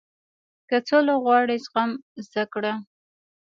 • که سوله غواړې، زغم زده کړه.